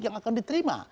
yang akan diterima